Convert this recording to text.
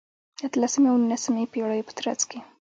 د اتلسمې او نولسمې پېړیو په ترڅ کې.